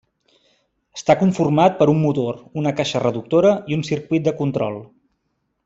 Està conformat per un motor, una caixa reductora i un circuit de control.